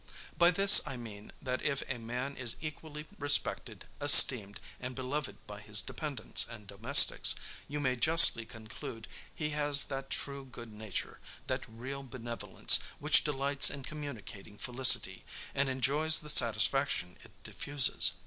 By this, I mean, that if a man is equally respected, esteemed, and beloved by his dependants and domestics, you may justly conclude, he has that true good nature, that real benevolence, which delights in communicating felicity, and enjoys the satisfaction it diffuses.